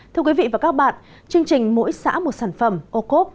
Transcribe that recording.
thưa quý vị và các bạn chương trình mỗi xã một sản phẩm ocob